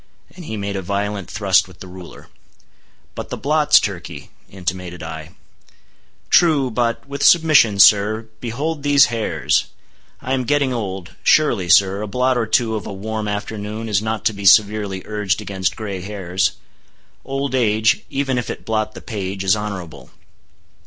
—and he made a violent thrust with the ruler. "But the blots, Turkey," intimated I. "True,—but, with submission, sir, behold these hairs! I am getting old. Surely, sir, a blot or two of a warm afternoon is not to be severely urged against gray hairs. Old age—even if it blot the page—is honorable.